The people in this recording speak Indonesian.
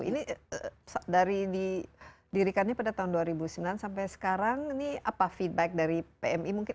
ini dari didirikannya pada tahun dua ribu sembilan sampai sekarang ini apa feedback dari pmi mungkin